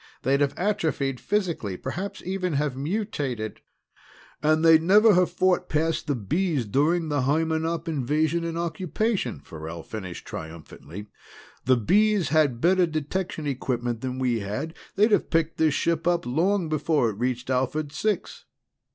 They'd have atrophied physically, perhaps even have mutated " "And they'd never have fought past the Bees during the Hymenop invasion and occupation," Farrell finished triumphantly. "The Bees had better detection equipment than we had. They'd have picked this ship up long before it reached Alphard Six."